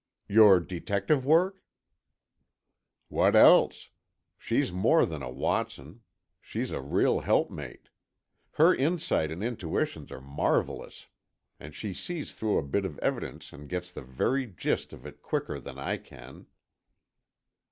"Your detective work?" "What else? She's more than a Watson, she's a real helpmate. Her insight and intuition are marvellous, and she sees through a bit of evidence and gets the very gist of it quicker than I can."